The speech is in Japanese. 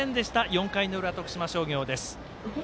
４回の裏、徳島商業。